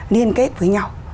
liên kết với nhau